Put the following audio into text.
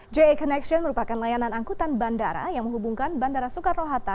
ja connection merupakan layanan angkutan bandara yang menghubungkan bandara soekarno hatta